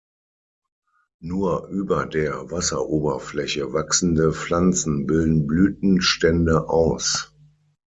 Nur über der Wasseroberfläche wachsende Pflanzen bilden Blütenstände aus.